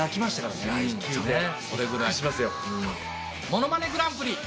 『ものまねグランプリ』。